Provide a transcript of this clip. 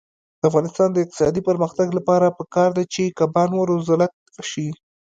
د افغانستان د اقتصادي پرمختګ لپاره پکار ده چې کبان وروزلت شي.